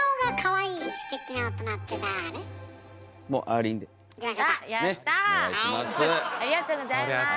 ありがとうございます。